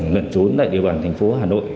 lần trốn tại địa bàn thành phố hà nội